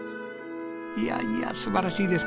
いやいや素晴らしいですね